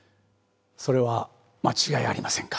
それは間違いありませんか？